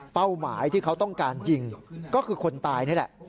หมายที่เขาต้องการยิงก็คือคนตายนี่แหละ